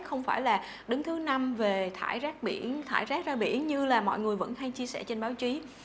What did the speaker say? không phải là đứng thứ năm về thải rác ra biển như là mọi người vẫn hay chia sẻ trên báo chí